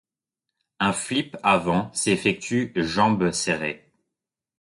Un flip avant s'effectue jambes serrées.